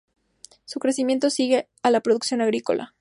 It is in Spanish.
Su crecimiento sigue a la producción agrícola.